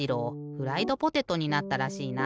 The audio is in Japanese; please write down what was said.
フライドポテトになったらしいな。